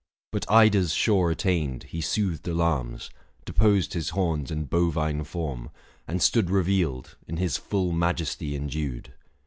695 But Ida's shore attained, he soothed alarms, Deposed his horns and bovine form, and stood Revealed, in his full majesty endued.